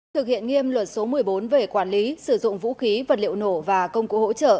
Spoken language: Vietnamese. thực hiện nghiêm luật số một mươi bốn về quản lý sử dụng vũ khí vật liệu nổ và công cụ hỗ trợ